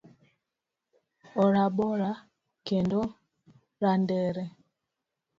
Orabora kendo randere